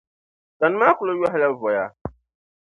Tani maa kuli yohi la voya.